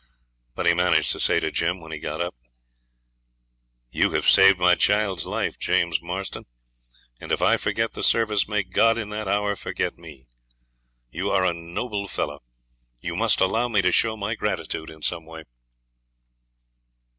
But he managed to say to Jim, when we got up 'You have saved my child's life, James Marston, and if I forget the service may God in that hour forget me. You are a noble fellow. You must allow me to show my gratitude in some way.'